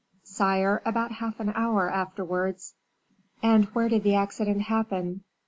"Sire, about half an hour afterwards." "And where did the accident happen?"